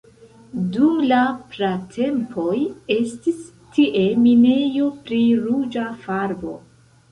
Dum la pratempoj estis tie minejo pri ruĝa farbo.